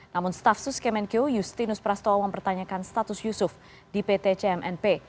namun staf sus kemenkyu justinus prastowo mempertanyakan status yusuf di pt cmnp